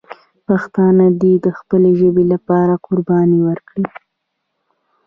پښتانه دې د خپلې ژبې لپاره قرباني ورکړي.